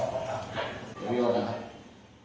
โอเคโอเคโอเค